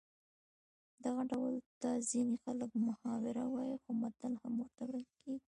دغه ډول ته ځینې خلک محاوره وايي خو متل هم ورته ویل کېږي